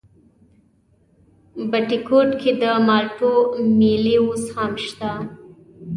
بټي کوټ کې د مالټو مېلې اوس هم شته؟